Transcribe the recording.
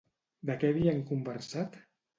De què havien conversat?